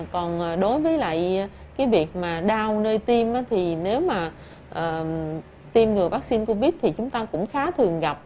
còn đối với việc đau nơi tiêm thì nếu mà tiêm ngừa vaccine covid thì chúng ta cũng khá thường gặp